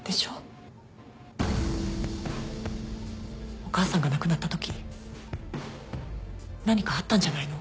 お母さんが亡くなったとき何かあったんじゃないの？